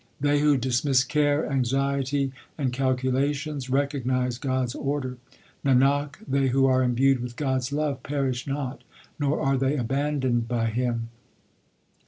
They who dismiss care, anxiety, and calculations, recognize God s order. Nanak, they who are imbued with God s love perish not, nor are they abandoned by Him.